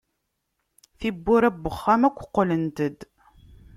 Tiwwura n wexxam akk qqlent-d.